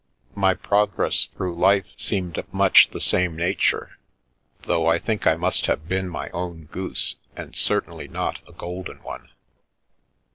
My progress through life seemed of m The Milky Way the same nature, though I think I must have been my own goose, and certainly not a golden one.